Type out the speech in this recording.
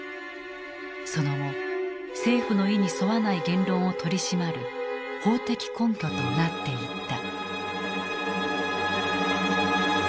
その後政府の意に沿わない言論を取り締まる法的根拠となっていった。